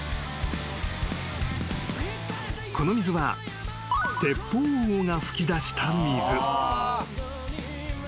［この水はテッポウウオが噴き出した水］